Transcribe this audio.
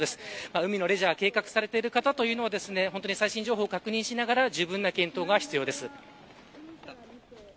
海のレジャーを計画されている方は最新情報を確認しながらじゅうぶんな検討が必要です。